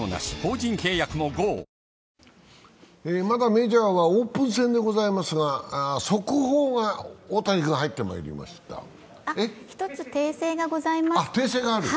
まだメジャーはオープン戦でございますが、速報が大谷君、入ってまいりました一つ訂正がございます。